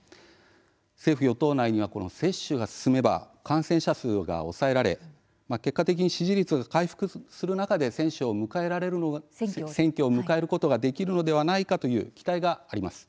政府与党内には接種が進めば感染者数が抑えられ結果的に支持率は回復する中で選挙を迎えることができるのではないかという期待があります。